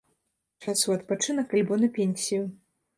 Час у адпачынак альбо на пенсію.